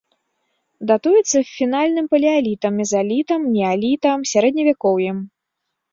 Датуецца фінальным палеалітам, мезалітам, неалітам, сярэдневякоўем.